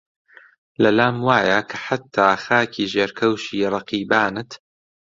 لەلام وایە کە حەتتا خاکی ژێرکەوشی ڕەقیبانت